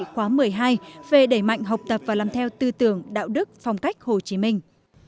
khóa một mươi hai về đẩy mạnh học tập và làm theo tư tưởng đạo đức phong cách hồ chí minh